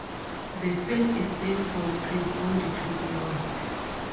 The film is therefore presumed to be lost.